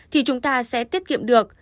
thì chúng ta sẽ tiết kiệm được